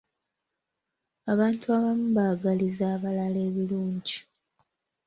Abantu abamu baagaliza abalala ebirungi.